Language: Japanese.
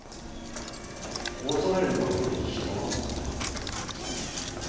恐れることで人はまとまる。